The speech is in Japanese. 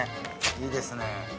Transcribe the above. いいですね。